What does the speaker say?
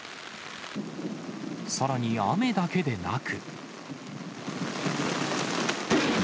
さらに雨だけでなく。